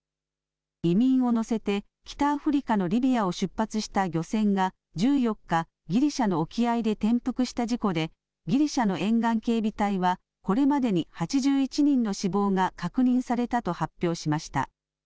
移民を乗せて北アフリカのリビアを出発した漁船が１４日、ギリシャの沖合で転覆した事故でギリシャの沿岸警備隊はこれまでに８１人の死亡が確認されたと発表しました。